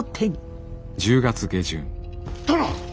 殿！